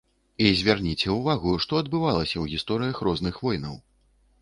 І звярніце ўвагу, што адбывалася ў гісторыях розных войнаў.